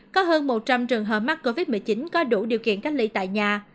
có hơn một trăm linh trường hợp mắc covid một mươi chín có đủ điều kiện cách ly tại nhà